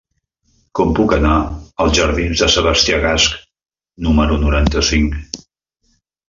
Com puc anar als jardins de Sebastià Gasch número noranta-cinc?